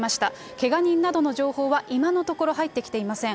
けが人などの情報は今のところ入ってきていません。